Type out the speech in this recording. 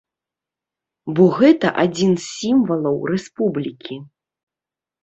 Бо гэта адзін з сімвалаў рэспублікі.